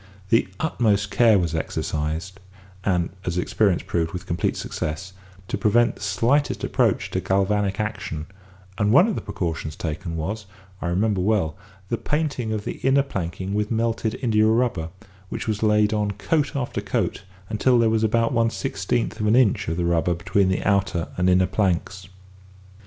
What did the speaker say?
The utmost care was exercised (and, as experience proved, with complete success) to prevent the slightest approach to galvanic action, and one of the precautions taken was, I remember well, the painting of the inner planking with melted india rubber, which was laid on coat after coat until there was about one sixteenth of an inch of the rubber between the outer and inner planks.